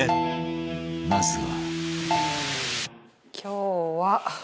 まずは